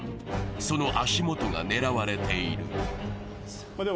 その足元が狙われている。